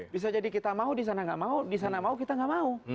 bisa jadi kita mau disana gak mau disana mau kita gak mau